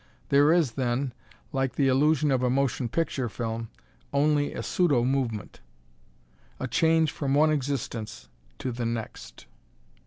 There is, then, like the illusion of a motion picture film, only a pseudo movement. A change, from one existence to the next.